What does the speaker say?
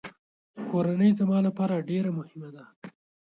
کورنۍ زما لپاره ډېره مهمه ده.